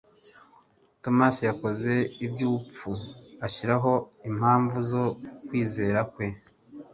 Tomasi yakoze iby'ubupfu ashyiraho impamvu zo kwizera kwe,